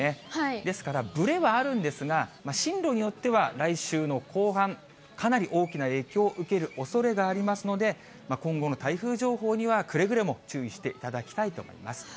ですからぶれはあるんですが、進路によっては来週の後半、かなり大きな影響を受けるおそれがありますので、今後の台風情報にはくれぐれも注意していただきたいと思います。